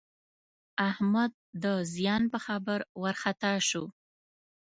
احمد د زیان په خبر وارخطا شو.